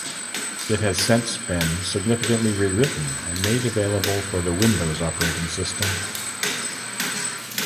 It has since been significantly rewritten and made available for the Windows operating system.